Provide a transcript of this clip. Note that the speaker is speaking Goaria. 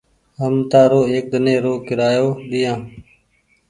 هم تآرو ايڪ ۮن ني رو ڪيرآيو ڏيديا۔